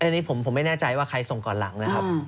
อันนี้ผมไม่แน่ใจว่าใครส่งก่อนหลังนะครับ